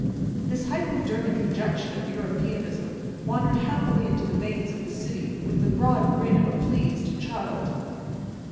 This hypodermic injection of Europeanism wandered happily into the veins of the city with the broad grin of a pleased child.